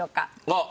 あっ！